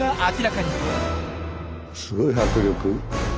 すごい迫力。